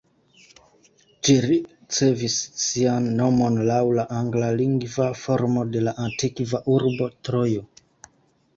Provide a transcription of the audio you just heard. Ĝi ricevis sian nomon laŭ la anglalingva formo de la antikva urbo Trojo.